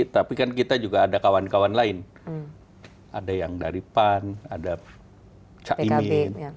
tapi kan kita juga ada kawan kawan lain ada yang dari pan ada caimin